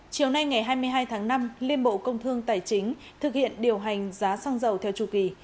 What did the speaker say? chiều nay ngày hai mươi hai tháng năm liên bộ công thương tài chính thực hiện điều hành giá xăng dầu theo chủ kỳ